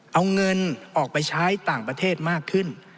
เอาเงินออกไปใช้ต่างประเทศมากขึ้น